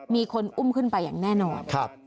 มีคนอุ้มขึ้นไปอย่างแน่นอน